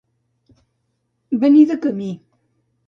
Venir de camí.